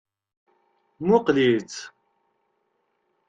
Muqqel-itt.